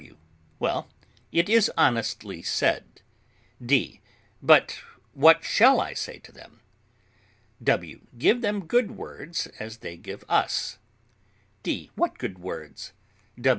W. Well, it is honestly said. D. But what shall I say to them? W. Give them good words, as they give us. D. What good words?